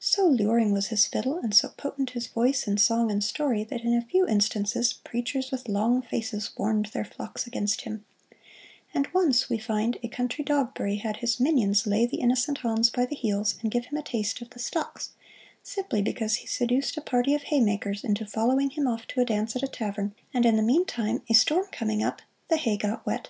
So luring was his fiddle, and so potent his voice in song and story, that in a few instances preachers with long faces warned their flocks against him; and once we find a country Dogberry had his minions lay the innocent Hans by the heels and give him a taste of the stocks, simply because he seduced a party of haymakers into following him off to a dance at a tavern, and in the meantime a storm coming up, the hay got wet.